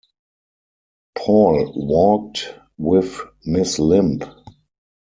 Paul walked with Miss Limb.